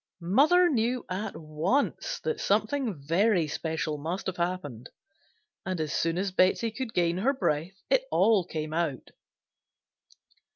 Mother knew at once that something very special must have happened and as soon as Betsey could gain her breath it all came out.